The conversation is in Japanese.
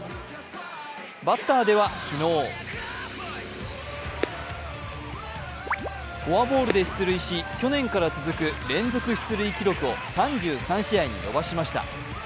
バッターでは昨日フォアボールで出塁し、去年から続く連続出塁記録を３３に伸ばしました。